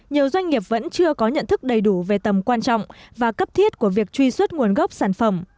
nhiều doanh nghiệp vẫn chưa có nhận thức đầy đủ về tầm quan trọng và cấp thiết của việc truy xuất nguồn gốc sản phẩm